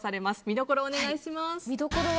見どころお願いします。